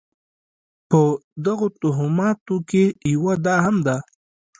په دغو توهماتو کې یوه دا هم ده.